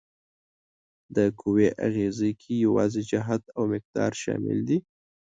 د قوې اغیزې کې یوازې جهت او مقدار شامل دي؟